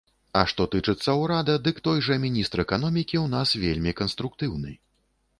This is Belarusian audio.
А што тычыцца ўрада, дык той жа міністр эканомікі ў нас вельмі канструктыўны.